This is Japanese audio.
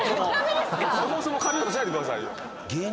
そもそも借りようとしないでくださいよ。